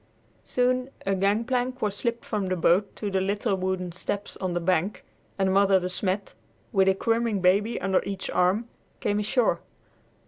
Soon a gangplank was slipped from the boat to the little wooden steps on the bank, and Mother De Smet, with a squirming baby under each arm, came ashore.